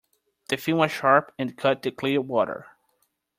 The fin was sharp and cut the clear water.